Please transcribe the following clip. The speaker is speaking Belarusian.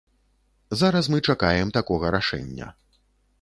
Зараз мы чакаем такога рашэння.